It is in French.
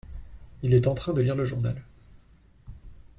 Il est en train de lire le journal.